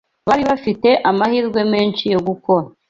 bari bafite amahirwe menshi yo gukora